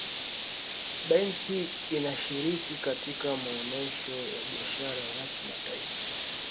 benki inashiriki katika maonesho ya biashara ya kimataifa